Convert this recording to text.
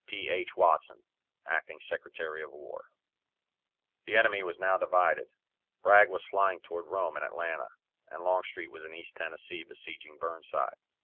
P. H. WATSON, Acting Secretary of War. The enemy was now divided. Bragg was flying toward Rome and Atlanta, and Longstreet was in East Tennessee besieging Burnside.